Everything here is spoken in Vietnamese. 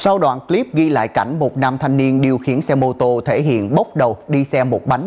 sau đoạn clip ghi lại cảnh một nam thanh niên điều khiển xe mô tô thể hiện bốc đầu đi xe một bánh